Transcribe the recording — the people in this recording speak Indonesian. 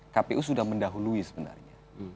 kpu sudah mendahului sebenarnya